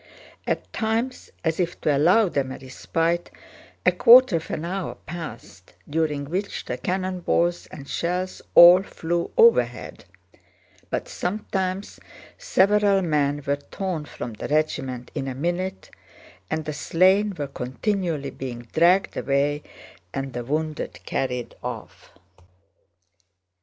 At times, as if to allow them a respite, a quarter of an hour passed during which the cannon balls and shells all flew overhead, but sometimes several men were torn from the regiment in a minute and the slain were continually being dragged away and the wounded carried off.